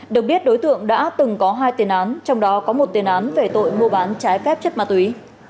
được biết đối tượng đã từng có hai tiền án trong đó có một tiền án về tội mua bán trái phép chất ma túy